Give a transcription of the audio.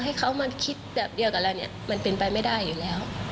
ให้เขามาคิดแบบเดียวกับเราเนี่ยมันเป็นไปไม่ได้อยู่แล้ว